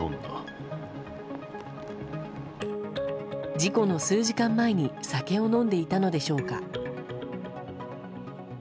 事故の数時間前に酒を飲んでいたのでしょうか。